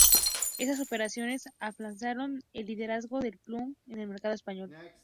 Esas operaciones afianzaron el liderazgo de Puig en el mercado español.